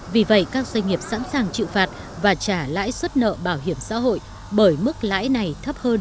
vì vậy các doanh nghiệp sẵn sàng chịu phạt và trả lãi suất nợ bảo hiểm xã hội bởi mức lãi này thấp hơn